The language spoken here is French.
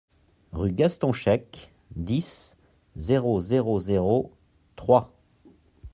Rue Gaston Checq, dix, zéro zéro zéro Troyes